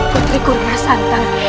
putriku rara santang